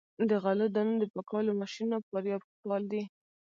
د غلو دانو د پاکولو ماشینونه په فاریاب کې فعال دي.